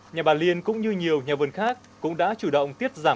nhà bà liên cũng như nhiều nhà vườn khác cũng đã chủ động tiết giảm